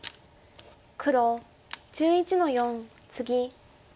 黒１１の四ツギ。